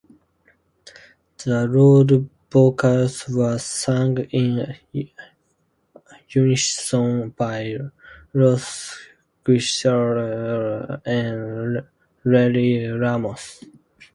The lead vocals were sung in unison by Russ Giguere and Larry Ramos.